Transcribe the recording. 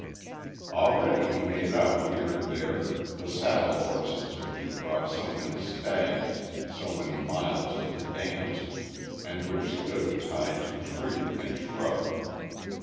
Already he made out here and there the saddle horses which had brought so many "stags" so many miles to the dance, and which stood tied to tree and shrub.